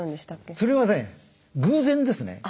それはね偶然ですね。